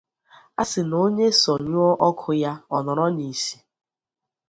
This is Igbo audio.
A sị na onye sonyụọ ọkụ ya ọ nọrọ n' ìsì